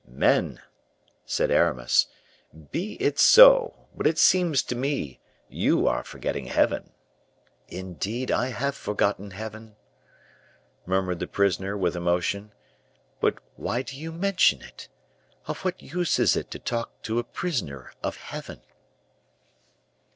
"Men!" said Aramis; "be it so; but it seems to me you are forgetting Heaven." "Indeed I have forgotten Heaven," murmured the prisoner, with emotion; "but why do you mention it? Of what use is it to talk to a prisoner of Heaven?"